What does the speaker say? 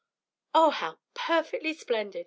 "Oh, how perfectly splendid!"